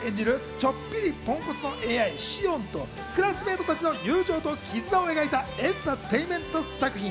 ちょっぴりポンコツのＡＩ・シオンとクラスメートたちの友情ときずなを描いたエンターテインメント作品。